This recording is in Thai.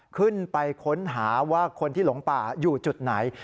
ขึ้นไปค้นหาว่าคนที่หลงป่าอยู่จุดไหน